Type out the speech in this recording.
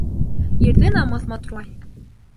Ирҙе намыҫ матурлай.